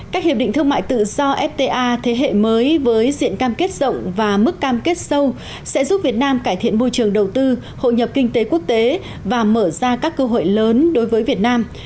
các hiệp định thương mại tự do fta thế hệ mới với diện cam kết rộng và mức cam kết sâu sẽ giúp việt nam cải thiện môi trường đầu tư hội nhập kinh tế quốc tế và mở ra các cơ hội lớn đối với việt nam